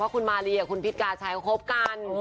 คุณมารีกับคุณพิษกาชัยเขาคบกัน